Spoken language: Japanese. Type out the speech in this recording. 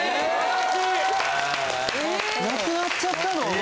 なくなっちゃったの？